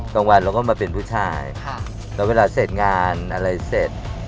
กลางวันเราก็มาเป็นผู้ชายแล้วเวลาเสร็จงานอะไรเสร็จ